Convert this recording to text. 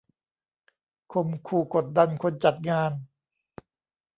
ข่มขู่กดดันคนจัดงาน